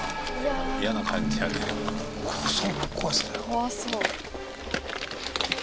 怖そう！